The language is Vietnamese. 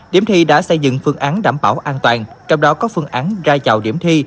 điểm thi đã xây dựng phương án đảm bảo an toàn trong đó có phương án ra vào điểm thi